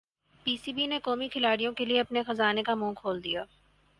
پی C B نے قومی کھلاڑیوں کیلئے اپنے خزانے کا منہ کھول دیا